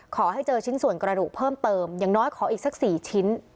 ขอให้เจอชิ้นส่วนกระดูกเพิ่มเติมอย่างน้อยขออีกสัก๔ชิ้น